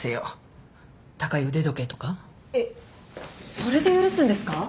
それで許すんですか？